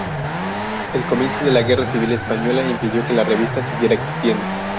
El comienzo de la guerra civil española impidió que la revista siguiera existiendo.